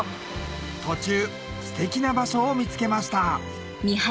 途中ステキな場所を見つけました